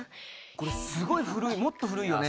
これすごい古いもっと古いよね。